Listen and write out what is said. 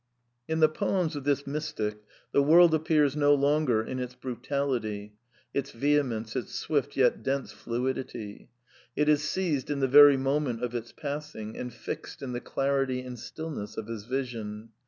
In the poems of this mystic the world appears no longer in its brutality, its vehemence, its swift yet dense fluidity ; it is seized in the very moment of its passing, and fixed in the clarity and stillness of his vision.